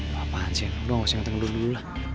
gak apa apa jan lo harus nyanteng dulu dulu lah